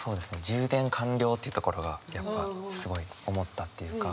「充電完了」っていうところがやっぱすごい思ったっていうか。